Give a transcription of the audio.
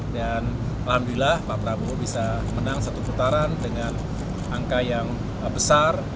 dan alhamdulillah pak prabowo bisa menang satu putaran dengan angka yang besar